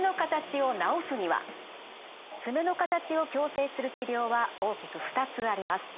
爪の形を矯正する治療は大きく２つあります。